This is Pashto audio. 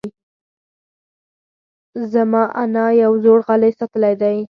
زما انا یو زوړ غالۍ ساتلی دی.